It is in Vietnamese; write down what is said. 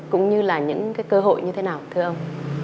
cũng như là những cái cơ hội như thế nào thưa ông